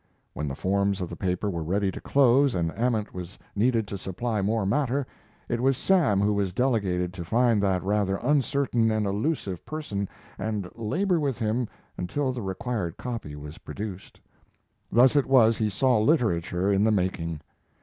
When the forms of the paper were ready to close and Ament was needed to supply more matter, it was Sam who was delegated to find that rather uncertain and elusive person and labor with him until the required copy was produced. Thus it was he saw literature in the making.